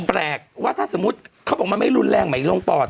แปลกว่าถ้าสมมุติเขาบอกมันไม่รุนแรงไหมลงปอด